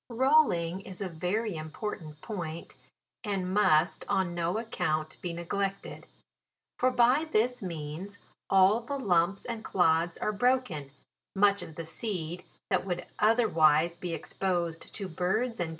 Rolling is a very important point, and must on no account be neglected ; for by this means all the lumps and clods are bro ken, much of the seed that would otherwise be exposed to birds, ccc.